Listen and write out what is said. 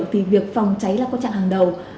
vì việc phòng cháy là quan trạng hàng loại